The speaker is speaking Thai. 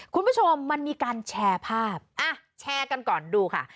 คุณผู้ชมมันมีการแชร์ภาพอ่ะแชร์กันก่อนดูค่ะ